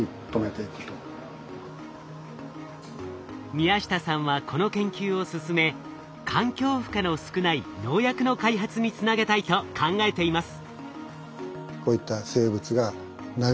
宮下さんはこの研究を進め環境負荷の少ない農薬の開発につなげたいと考えています。